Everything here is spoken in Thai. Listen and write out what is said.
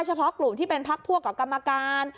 เฉพาะกลุ่มที่เป็นพักพวกกับกรรมการ